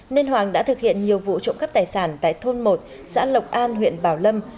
nên hoàng đã thực hiện nhiều vụ trộm cắp tài sản tại thôn một xã lộc an huyện bảo lâm